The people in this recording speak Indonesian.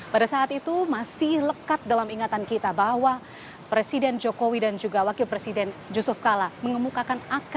pada saat itu masih lekat dalam ingatan kita bahwa presiden jokowi dan juga wakil presiden yusuf kala mengemukakan